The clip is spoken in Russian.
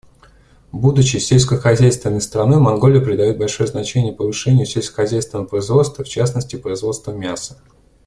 Будучи сельскохозяйственной страной, Монголия придает большое значение повышению сельскохозяйственного производства, в частности производства мяса.